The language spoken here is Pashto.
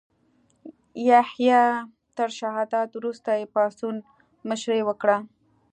یحیی تر شهادت وروسته یې پاڅون مشري وکړه.